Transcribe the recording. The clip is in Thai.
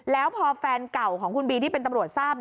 แล้วพอแฟนเก่าของคุณบีที่เป็นตำรวจทราบ